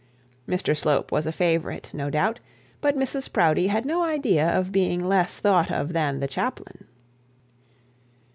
Mr Slope was a favourite, no doubt; but Mrs Proudie had no idea of being less thought of than the chaplain.